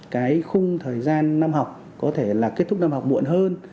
cái khung thời gian năm học có thể là kết thúc năm học muộn hơn